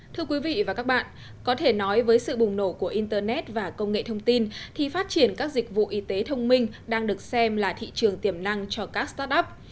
thưa quý vị và các bạn có thể nói với sự bùng nổ của internet và công nghệ thông tin thì phát triển các dịch vụ y tế thông minh đang được xem là thị trường tiềm năng cho các start up